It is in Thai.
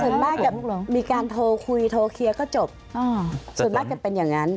ส่วนมากจะมีการโทรคุยโทรเคลียร์ก็จบส่วนมากจะเป็นอย่างนั้น